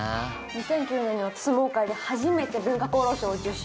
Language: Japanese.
２００９年には相撲界で初めて文化功労賞を受賞。